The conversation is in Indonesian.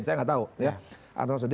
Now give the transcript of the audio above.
saya yang nggak tahu